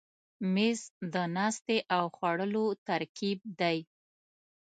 مېز د ناستې او خوړلو ترکیب دی.